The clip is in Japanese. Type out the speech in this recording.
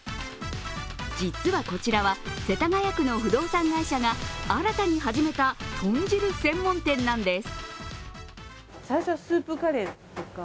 実はこちらは、世田谷区の不動産会社が新たに始めた豚汁専門店なんです。